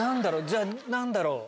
じゃあ何だろう？